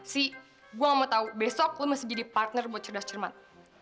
si gue gak mau tahu besok gue masih jadi partner buat cerdas cermat